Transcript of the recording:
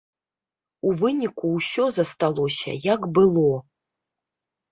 У выніку ўсё засталося як было.